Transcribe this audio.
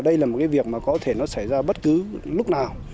đây là một cái việc mà có thể nó xảy ra bất cứ lúc nào